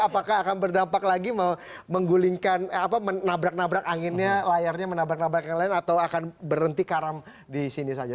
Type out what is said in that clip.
apakah akan berdampak lagi menggulingkan apa menabrak nabrak anginnya layarnya menabrak nabrak yang lain atau akan berhenti karam di sini saja